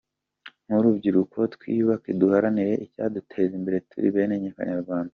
Nk’urubyiruko twiyubake duharanire icyaduteza imbere turi bene Kanyarwanda.